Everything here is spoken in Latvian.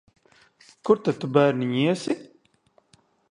Kur tad tu, bērniņ, iesi?